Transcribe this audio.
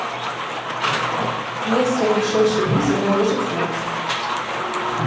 Месца ў вышэйшай лізе належыць нам.